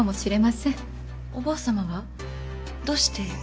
どうして？